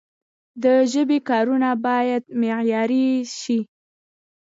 د ژبي کارونه باید معیاري سی.